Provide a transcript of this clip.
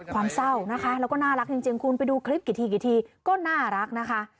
ความเศร้านะคะแล้วก็น่ารักจริงคุณไปดูคลิปกี่ทีกี่ทีก็น่ารักนะคะ